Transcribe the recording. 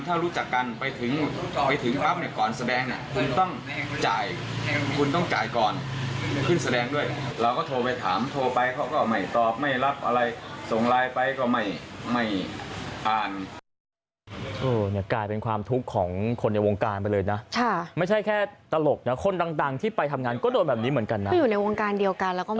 ถ้ารู้จักกันไปถึงปั๊บก่อนแสดงคุณต้องจ่ายก่อนขึ้นแสดงด้วย